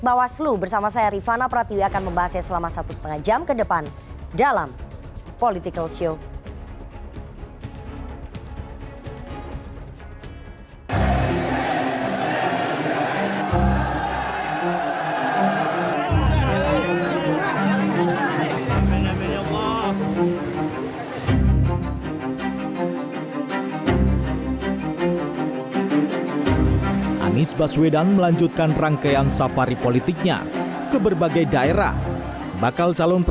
bawaslu bersama saya rifana pratiwi akan membahasnya selama satu setengah jam ke depan dalam political show